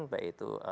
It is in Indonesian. baik itu keuangan